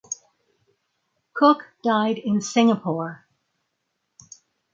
Cooke died in Singapore.